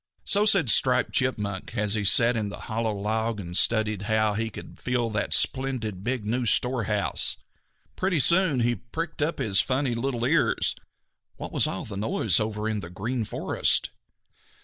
So said Striped Chipmunk, as he sat in the hollow log and studied how he could fill that splendid big new storehouse. Pretty soon he pricked up his funny little ears. What was all that noise over in the Green Forest?